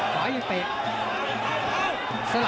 ขออย่างเด้งเตะ